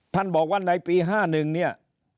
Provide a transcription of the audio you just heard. ท่านบอกว่าในปี๕๑เนี่ย